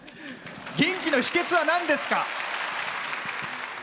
元気の秘けつはなんですか？